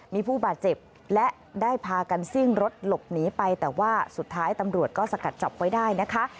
มีผู้บาดเจ็บและได้พากันซิ่งรถหลบหนีไปแต่ว่าสุดท้ายตำรวจก็สกัดจับไว้ได้นะคะ